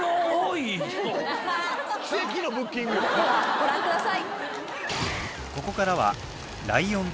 ご覧ください！